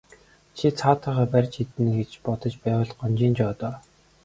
Чи цаадхыгаа барж иднэ гэж бодож байвал гонжийн жоо доо.